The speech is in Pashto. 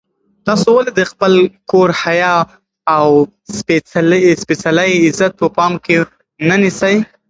تاسو ولې د خپل کور حیا او سپېڅلی عزت په پام کې نه نیسئ؟